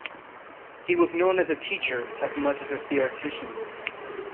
He was known as a teacher as much as a theoretician.